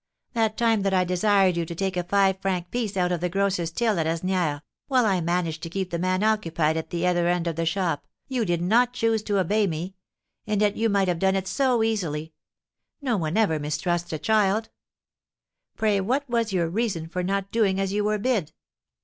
That time that I desired you to take a five franc piece out of the grocer's till at Asnières, while I managed to keep the man occupied at the other end of the shop, you did not choose to obey me; and yet you might have done it so easily; no one ever mistrusts a child. Pray what was your reason for not doing as you were bid?"